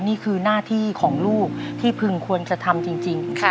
นี่คือหน้าที่ของลูกที่พึงควรจะทำจริง